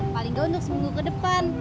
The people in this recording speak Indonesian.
paling gak untuk seminggu ke depan